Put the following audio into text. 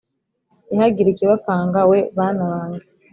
Ntihagire ikibakanga we bana banjye